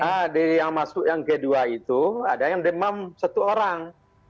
ada yang masuk yang g dua itu ada yang demam satu orang